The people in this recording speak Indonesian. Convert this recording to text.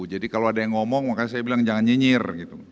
jadi kalau ada yang ngomong makanya saya bilang jangan nyinyir